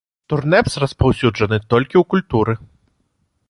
Турнэпс распаўсюджаны толькі ў культуры.